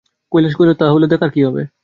কৈলাস কহিল, তা হলে দেখার কী হবে?